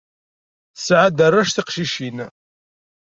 Tesɛa-d arrac tiqcicin.